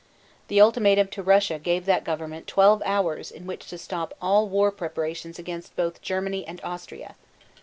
The ultimatum to Russia gave that government twelve hours in which to stop all war preparations against both Germany and Austria.